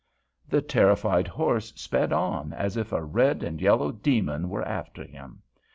The terrified horse sped on as if a red and yellow demon were after him.